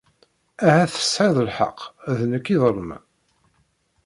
Ahat tesεiḍ lḥeqq, d nekk i iḍelmen.